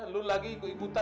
lu lagi ikut ikutan